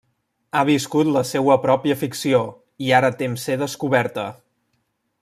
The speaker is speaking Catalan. Ha viscut la seua pròpia ficció, i ara tem ser descoberta.